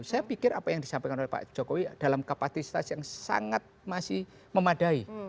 saya pikir apa yang disampaikan oleh pak jokowi dalam kapasitas yang sangat masih memadai